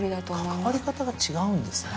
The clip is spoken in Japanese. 関わり方が違うんですね。